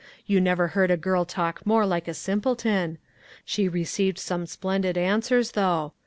You never heard a girl talk more like a simpleton! She received some splendid answers, though.